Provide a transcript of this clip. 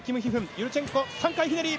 ユルチェンコ３回ひねり！